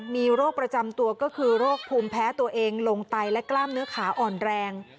มีโรคประจำตัวก็คือโรคภูมิแพ้ตัวเองลงไตและกล้ามเนื้อขาอ่อนแรง